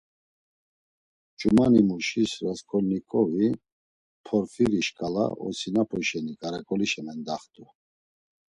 Ç̌umanimuşis Rasǩolnikovi, Porfiri şǩala osinapu şeni ǩaraǩolişa mendaxt̆u.